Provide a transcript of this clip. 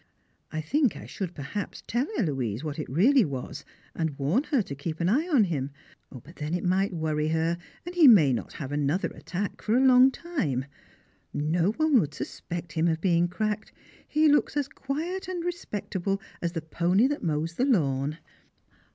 I think I should perhaps tell Héloise what it really was, and warn her to keep an eye on him, but then it might worry her, and he may not have another attack for a long time. No one would suspect him of being cracked, he looks as quiet and respectable as the pony that mows the lawn.